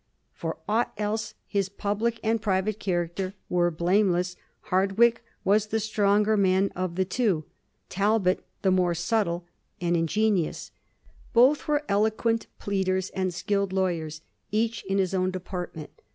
'For aught else, his public and private character were blameless. Hardwicke was the stronger man of the two; Talbot the more subtle and in 1* 10 A HISTORT OF THE FOUR GEORGES. ch.zxi. genions. Both were eloquent pleaders and skilled law* yerSy each in his own department.